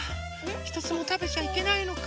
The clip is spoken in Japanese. ひとつもたべちゃいけないのか。